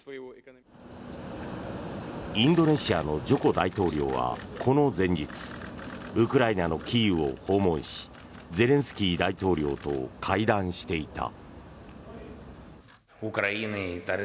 インドネシアのジョコ大統領はこの前日ウクライナのキーウを訪問しゼレンスキー大統領と会談していた。